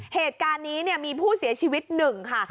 เหตุการณ์นี้มีผู้เสียชีวิตหนึ่งค่ะ